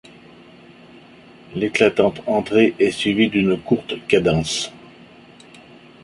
L’éclatante entrée est suivie d'une courte cadence.